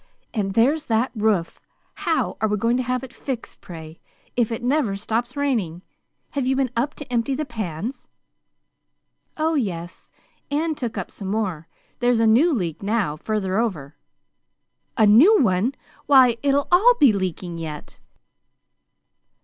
And there's that roof! How are we going to have it fixed, pray, if it never stops raining? Have you been up to empty the pans?" "Oh, yes and took up some more. There's a new leak now, further over." "A new one! Why, it'll all be leaking yet!"